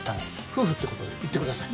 夫婦って事で行ってください。